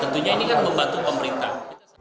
tentunya ini kan membantu pemerintah